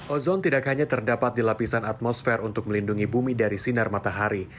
ozon tidak hanya terdapat di lapisan atmosfer untuk melindungi bumi dari sinar matahari